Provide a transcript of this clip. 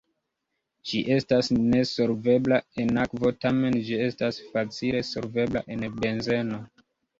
Ĝi estas nesolvebla en akvo, tamen ĝi estas facile solvebla en benzeno.